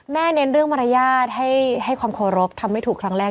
เน้นเรื่องมารยาทให้ความเคารพทำไม่ถูกครั้งแรก